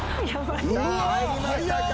さあ入りましたか？